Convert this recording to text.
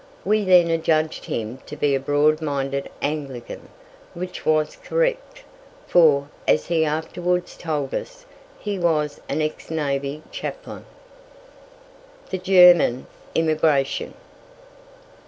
We then adjudged him to be a broad minded Anglican, which was correct, for, as he afterwards told us, he was an ex navy chaplain. THE GERMAN IMMIGRATION.